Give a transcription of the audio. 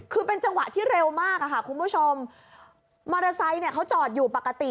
คือเป็นจังหวะที่เร็วมากอะค่ะคุณผู้ชมมอเตอร์ไซค์เนี่ยเขาจอดอยู่ปกติ